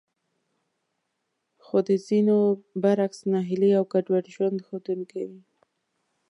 خو د ځينو برعکس ناهيلي او ګډوډ ژوند ښودونکې وې.